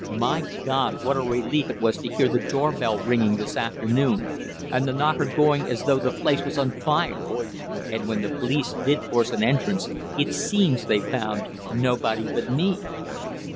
My God, what a relief it was to hear the door bell ringing this afternoon, and the knocker going as though the place was on fire! "And when the police did force an entrance it seems they found nobody but me!"